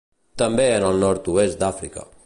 També en el nord-oest d'Àfrica.